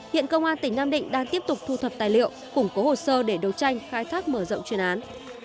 hiện công an tỉnh nam định đang tiếp tục thu thập tài liệu củng cố hồ sơ để đấu tranh khai thác mở rộng chuyên án